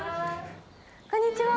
こんにちは。